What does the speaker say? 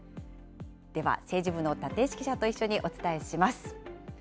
では、政治部の立石記者と一緒にお伝えします。